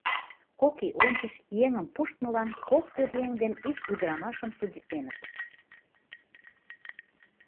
Кок ий ончыч еҥым пуштмылан кок пӧръеҥ ден ик ӱдрамашым судитленыт.